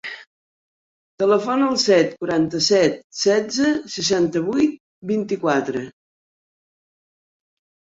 Telefona al set, quaranta-set, setze, seixanta-vuit, vint-i-quatre.